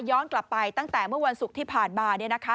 ย้อนกลับไปตั้งแต่เมื่อวันศุกร์ที่ผ่านมา